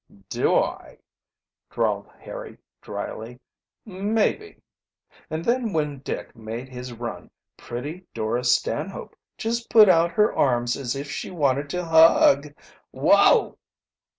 "Do I?" drawled Harry dryly. "Maybe. And then when Dick made his run, pretty Dora Stanhope just put out her arms as if she wanted to hug Whow!"